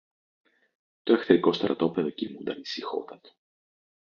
Το εχθρικό στρατόπεδο κοιμούνταν ησυχότατο.